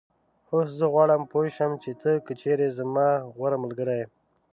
اوس زه غواړم پوی شم چې ته که چېرې زما غوره ملګری یې